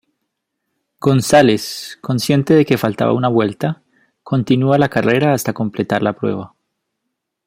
González, consciente de que faltaba una vuelta, continúa la carrera hasta completar la prueba.